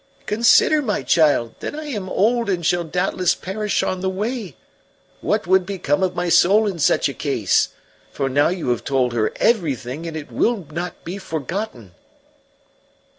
"Consider, my child, that I am old and shall doubtless perish on the way. What would become of my soul in such a case? For now you have told her everything, and it will not be forgotten."